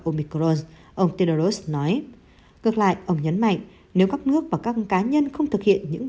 omicron ông tedoros nói ngược lại ông nhấn mạnh nếu các nước và các cá nhân không thực hiện những